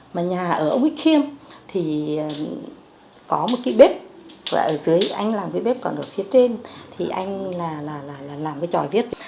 mà nhà ở quý khiêm thì có một cái bếp anh làm cái bếp còn ở phía trên thì anh làm cái trò viết